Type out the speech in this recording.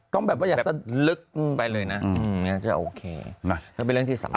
ต้องแบบว่าอยากจะลึกไปเลยนะอือมันจะโอเค